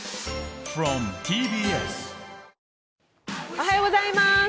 おはようございます。